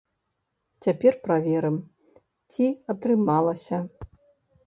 Цяпер праверым, ці атрымалася.